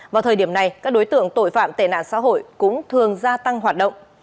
vào thời điểm này các đối tượng tội phạm tệ nạn xã hội cũng thường gia tăng hoạt động